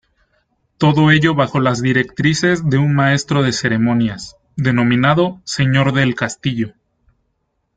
Todo ello bajo las directrices de un maestro de ceremonias, denominado "Señor del Castillo".